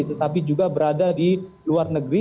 tetapi juga berada di luar negeri